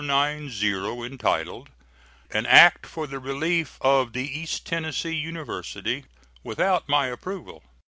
490, entitled "An act for the relief of the East Tennessee University," without my approval.